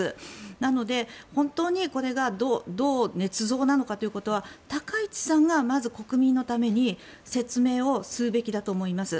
なので、本当にこれがどう、ねつ造なのかということは高市さんがまず国民のために説明をするべきだと思います。